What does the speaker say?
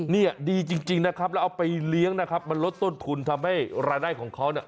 นี่ดีจริงนะครับแล้วเอาไปเลี้ยงนะครับมันลดต้นทุนทำให้รายได้ของเขาเนี่ย